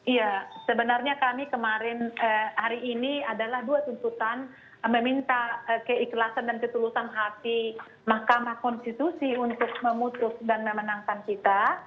iya sebenarnya kami kemarin hari ini adalah dua tuntutan meminta keikhlasan dan ketulusan hati mahkamah konstitusi untuk memutus dan memenangkan kita